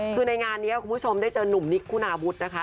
คือในงานนี้คุณผู้ชมได้เจอนุ่มนิกคุณาวุฒินะคะ